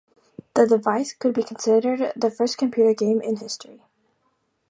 The device could be considered the first computer game in history.